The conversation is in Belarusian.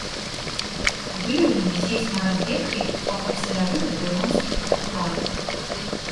Выяўлена сейсмаразведкай па падсалявых дэвонскіх адкладах.